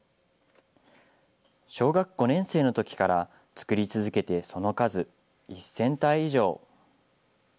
小学５年生のときから、作り続けてその数１０００体以上。